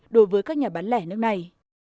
đối với các nhà bán lẻ nước này